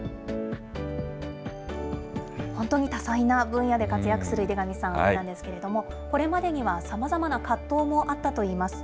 本当に多彩な分野で活躍する井手上さんなんですけれども、これまでにはさまざまな葛藤もあったといいます。